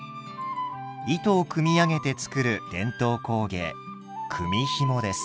糸を組み上げて作る伝統工芸組みひもです。